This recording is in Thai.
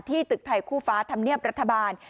ที่ตึกไทยคู่ฟ้าทำเนียบรัฐบาล